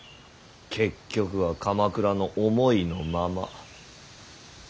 結局は鎌倉の思いのまま。